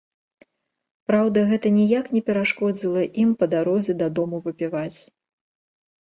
Праўда, гэта ніяк не перашкодзіла ім па дарозе дадому выпіваць.